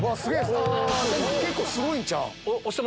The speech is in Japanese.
結構すごいんちゃう？